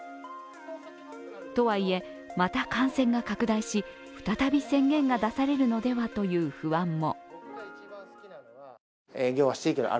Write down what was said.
とはいえ、また感染が拡大し再び宣言が出されるのではという不安も。